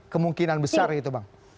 kemungkinan besar itu bang